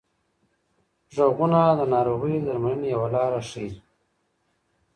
غږونه د ناروغۍ د درملنې یوه لار ښيي.